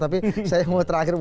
tapi saya mau terakhir